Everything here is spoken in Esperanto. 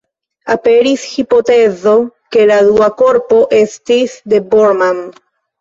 Aperis hipotezo, ke la dua korpo estis de Bormann.